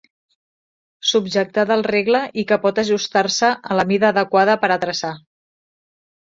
Subjectada al regle i que pot ajustar-se a la mida adequada per a traçar.